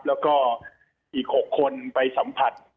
แล้วก็อีก๖คนไปสัมผัส